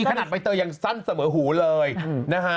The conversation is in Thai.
ขนาดใบเตยยังสั้นเสมอหูเลยนะฮะ